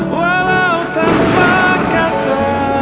walau tanpa kata